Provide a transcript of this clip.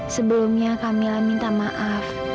sebelumnya kamilah minta maaf